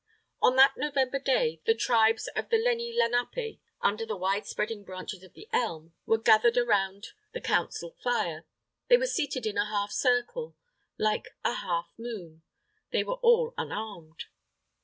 On that November day, the tribes of the Lenni Lenapé under the wide spreading branches of the Elm, were gathered around the Council fire. They were seated in a half circle, like a half moon. They were all unarmed.